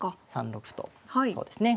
３六歩とそうですね